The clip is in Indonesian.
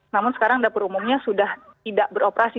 namun sekarang dapur umumnya sudah tidak beroperasi